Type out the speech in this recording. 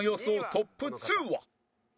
トップ２は